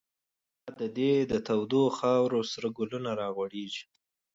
لاددی دتودوخاورو، سره ګلونه راغوړیږی